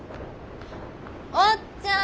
おっちゃん。